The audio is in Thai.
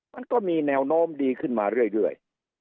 มันก็มีแนวโน้มดีขึ้นมาเรื่อย